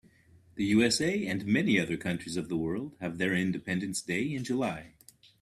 The USA and many other countries of the world have their independence day in July.